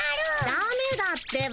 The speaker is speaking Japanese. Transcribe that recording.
ダメだってば。